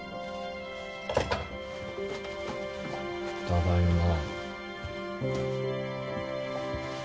ただいま。